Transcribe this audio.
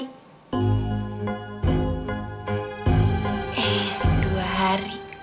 eh dua hari